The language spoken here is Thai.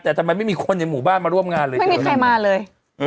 แต่ทำไมไม่มีคนในหมู่บ้านมาร่วมงานเลยไม่มีใครมาเลย